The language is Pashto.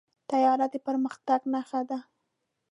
طیاره د پرمختګ نښه ده.